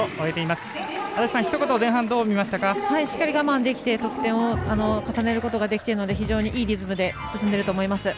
しっかり我慢できて得点を重ねることができているので非常にいいリズムで進んでいると思います。